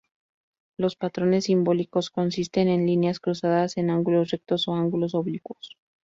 Los patrones simbólicos consisten en líneas cruzadas en ángulos rectos o ángulos oblicuos.